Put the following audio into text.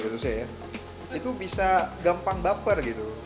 gak gampang bumper gitu